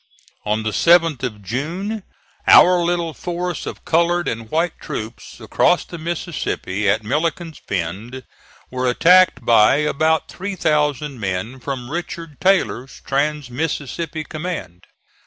On the 7th of June our little force of colored and white troops across the Mississippi, at Milliken's Bend, were attacked by about 3,000 men from Richard Taylor's trans Mississippi command.